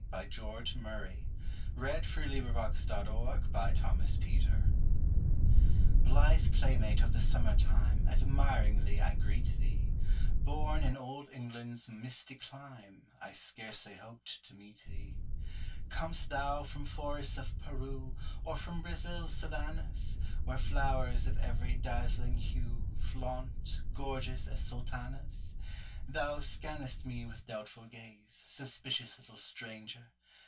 1895. George Murray To a Humming Bird in a Garden BLITHE playmate of the Summer time, Admiringly I greet thee; Born in old England's misty clime,I scarcely hoped to meet thee.Com'st thou from forests of Peru, Or from Brazil's savannahs, Where flowers of every dazzling hueFlaunt, gorgeous as Sultanas? Thou scannest me with doubtful gaze, Suspicious little stranger!